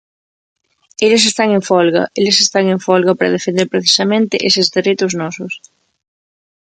Eles están en folga, eles están en folga para defender precisamente eses dereitos nosos.